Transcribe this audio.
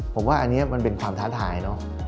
ผมว่าอันนี้มันเป็นความท้าทายเนอะ